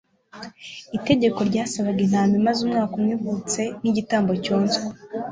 itegeko ryasabaga intama imaze umwaka umwe ivutse nk'igitambo cyoswa